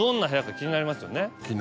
気になりますよ。